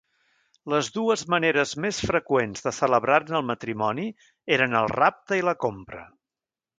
Les dues maneres més freqüents de celebrar-ne el matrimoni eren el rapte i la compra.